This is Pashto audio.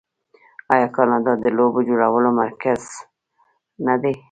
آیا کاناډا د لوبو جوړولو مرکز نه دی؟